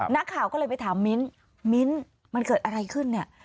นักข่าวก็เลยไปถามมิ้นมิ้นมันเกิดอะไรขึ้นเนี่ย